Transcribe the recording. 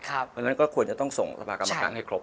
เพราะฉะนั้นก็ควรจะต้องส่งสภากรรมการให้ครบ